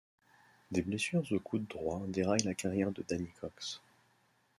Des blessures au coude droit déraillent la carrière de Danny Cox.